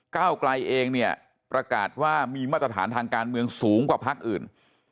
ก้าวไกลเองเนี่ยประกาศว่ามีมาตรฐานทางการเมืองสูงกว่าพักอื่น